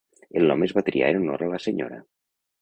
El nom es va triar en honor a la senyora.